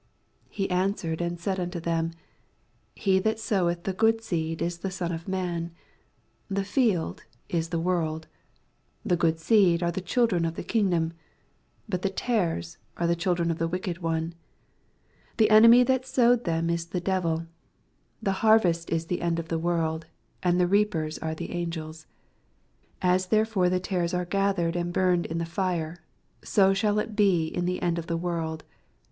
87 He answered and said unto them, He that soweth the good seea is the Son of man; 88 The field is the world : the good seed are the children of the kingoom ; but the tares are the children of the wicked one ; 89 The enemv that sowed them is the devil ; the narvest is the end of the worldf; and the reapers are the angels. lo As therefore the tares are gath> ered and burned in the fire : so shall it be in the end of this world.